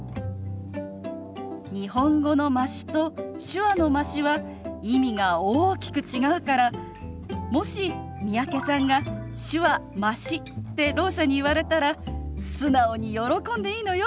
日本語の「まし」と手話の「まし」は意味が大きく違うからもし三宅さんが「手話まし」ってろう者に言われたら素直に喜んでいいのよ。